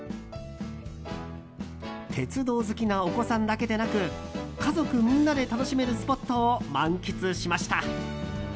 鉄道好きなお子さんだけでなく家族みんなで楽しめるスポットを満喫しました。